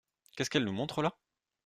Qu’est-ce qu’elle nous montre là ?